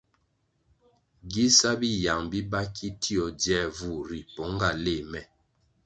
Gi sa biyang biba ki tio dzier vur ri pong nga léh me.